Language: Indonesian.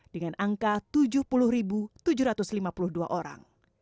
dengan angka tujuh puluh tujuh ratus lima puluh dua orang